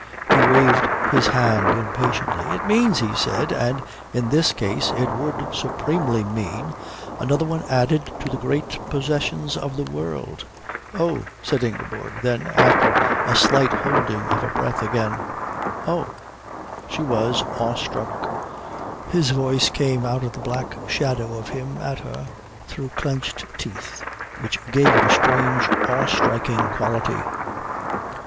He waved his hand impatiently. "It means," he said, "and in this case it would supremely mean, another one added to the great possessions of the world." "Oh," said Ingeborg; and then, after a slight holding of her breath, again "Oh." She was awe struck. His voice came out of the black shadow of him at her through clenched teeth, which gave it a strange awe striking quality.